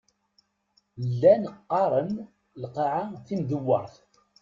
Llan qqaren lqaεa timdewwert.